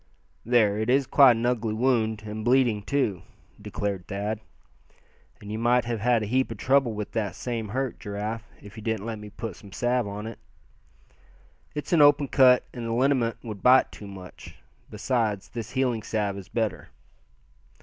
"There, it is quite an ugly wound, and bleeding too," declared Thad. "And you might have had a heap of trouble with that same hurt, Giraffe, if you didn't let me put some salve on. It's an open cut and the liniment would bite too much. Besides this healing salve is better."